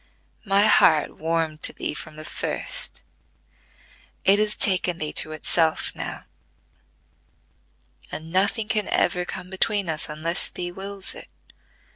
My heart warmed to thee from the first: it has taken thee to itself now; and nothing can ever come between us, unless thee wills it.